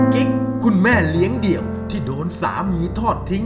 กิ๊กคุณแม่เลี้ยงเดี่ยวที่โดนสามีทอดทิ้ง